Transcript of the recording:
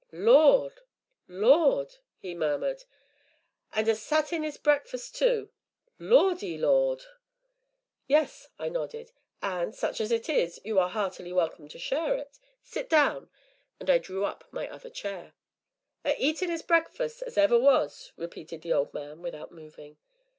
"Lord! Lord!" he murmured, "an' a satin' 'is breakfus' tu. Lordy, Lord!" "Yes," I nodded, "and, such as it is, you are heartily welcome to share it sit down," and I drew up my other chair. "A eatin' 'is breakfus' as ever was!" repeated the old man, without moving.